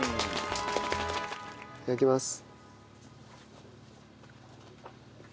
いただきます。